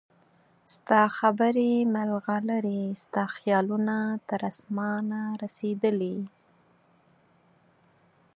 ستا خبرې مرغلرې ستا خیالونه تر اسمانه رسیدلي